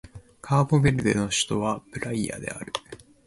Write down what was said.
カーボベルデの首都はプライアである